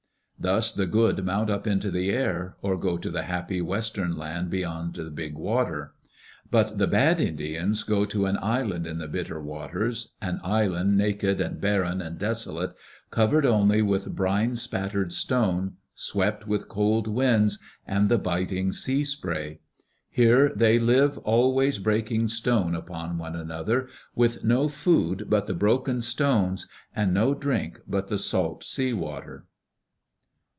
Thus the good mount up into the air, or go to the Happy Western Land beyond the Big Water. But the bad Indians go to an island in the Bitter Waters, an island naked and barren and desolate, covered only with brine spattered stone, swept with cold winds and the biting sea spray. Here they live always, breaking stone upon one another, with no food but the broken stones and no drink but the salt sea water.